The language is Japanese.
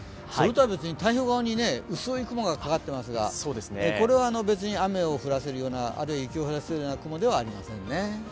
それとは別に太平洋側に薄い雲がかかっていますがこれは別に雨や雪を降らせるような雲ではありません。